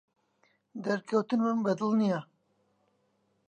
دەرکەوتنمم بەدڵ نییە.